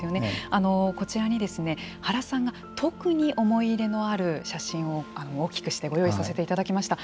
あのこちらに原さんが特に思い入れのある写真を大きくしてご用意させていただきました。